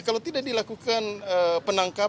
kalau tidak dilakukan penangkapan